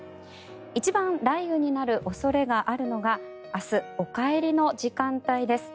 一番雷雨になる恐れがあるのが明日、お帰りの時間帯です。